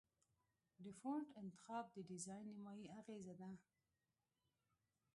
د فونټ انتخاب د ډیزاین نیمایي اغېزه ده.